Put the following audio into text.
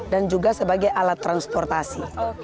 dan juga sebagai alat transportasi